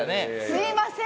すいません。